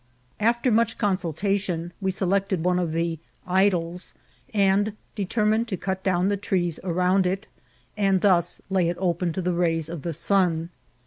After much consultation, we selected one of the ^' idols," and determined to cut down the trees around it, and thus lay it open tp the rays of the sun.